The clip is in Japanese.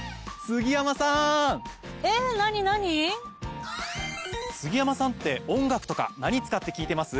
杉山さんって音楽とか何使って聞いてます？